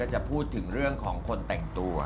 จะพูดถึงเรื่องของคนแต่งตัว